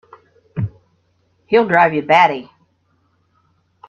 He'll drive you batty!